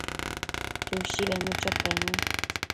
Chushi bednucho penun